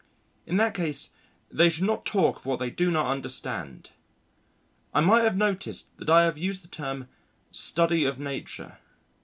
In that case they should not talk of what they do not understand.... I might have noticed that I have used the term "Study of Nature."